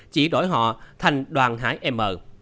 chỉ đổi họ thành đoàn hải m